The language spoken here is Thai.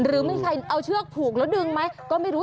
หรือไม่ใช่เอาเชือกผูกแล้วดึงไหมก็ไม่รู้